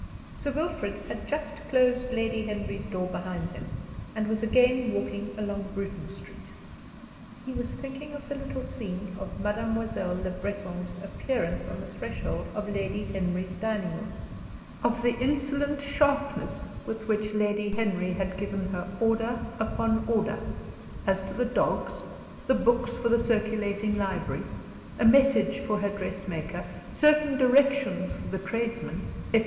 Sir Wilfrid had just closed Lady Henry's door behind him, and was again walking along Bruton Street. He was thinking of the little scene of Mademoiselle Le Breton's appearance on the threshold of Lady Henry's dining room; of the insolent sharpness with which Lady Henry had given her order upon order as to the dogs, the books for the circulating library, a message for her dressmaker, certain directions for the tradesmen, etc.